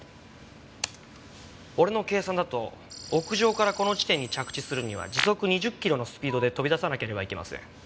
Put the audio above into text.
俺の計算だと屋上からこの地点に着地するには時速２０キロのスピードで飛び出さなければいけません。